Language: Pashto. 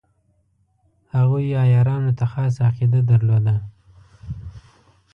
هغوی عیارانو ته خاصه عقیده درلوده.